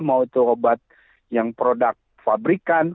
mau itu obat yang produk pabrikan